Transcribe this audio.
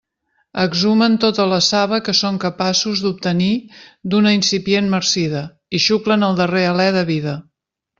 Exhumen tota la saba que són capaços d'obtenir d'una incipient marcida i xuclen el darrer alé de vida.